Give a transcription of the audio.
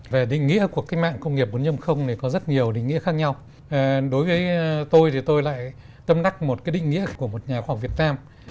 về định nghĩa cuộc cách mạng công nghiệp bốn này có rất nhiều định nghĩa khác nhau đối với tôi thì tôi lại tâm đắc một cái định nghĩa của một nhà khoa học việt nam